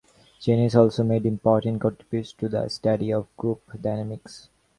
Janis also made important contributions to the study of group dynamics.